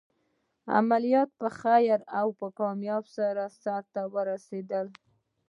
عملیات په خیر او کامیابۍ سرته ورسېدل.